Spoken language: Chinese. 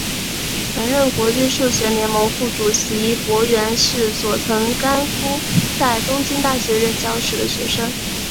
曾任国际数学联盟副主席柏原是佐藤干夫在东京大学任教时的学生。